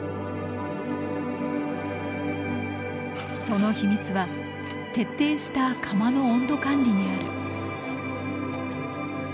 その秘密は徹底した窯の温度管理にある。